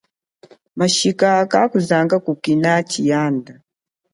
Matshika kazanga kukina tshiyanda.